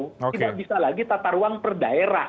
tidak bisa lagi tata ruang per daerah